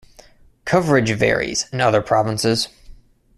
Coverage varies in other provinces.